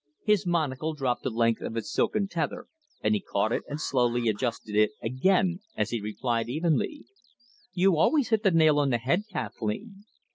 His monocle dropped the length of its silken tether, and he caught it and slowly adjusted it again as he replied evenly: "You always hit the nail on the head, Kathleen."